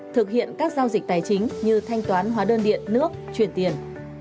thực hiện các giao dịch tài chính như thanh toán hóa đơn điện nước chuyển tiền